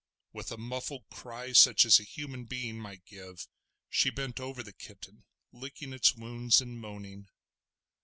With a muffled cry, such as a human being might give, she bent over the kitten licking its wounds and moaning.